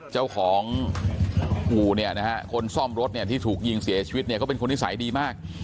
เจ้าของอู่เนี่ยนะฮะคนซ่อมรถเนี่ยที่ถูกยิงเสียชีวิตเนี่ยเขาเป็นคนนิสัยดีมาก